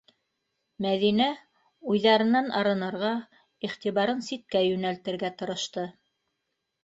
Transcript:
Мәҙинә уйҙарынан арынырға, иғтибарын ситкә йүнәлтергә тырышты.